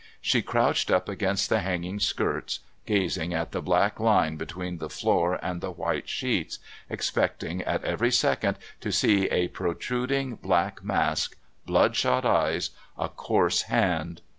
She crouched up against the hanging skirts, gazing at the black line between the floor and the white sheets, expecting at every second to see a protruding black mask, bloodshot eyes, a coarse hand.